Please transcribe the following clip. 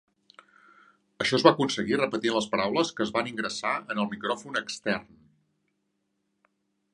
Això es va aconseguir repetint les paraules que es van ingressar en el micròfon extern.